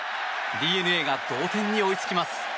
ＤｅＮＡが同点に追いつきます。